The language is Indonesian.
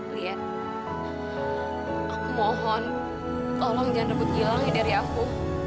liat aku mohon tolong jangan rebut gilangnya dari aku